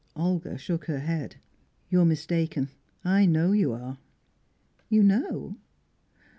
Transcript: Olga shook her head. "You're mistaken, I know you are." "You know?